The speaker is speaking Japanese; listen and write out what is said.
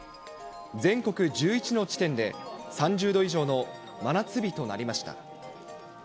全国１１の地点で、３０度以上の真夏日となりました。